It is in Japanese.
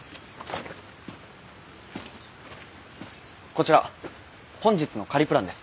こちら本日の仮プランです。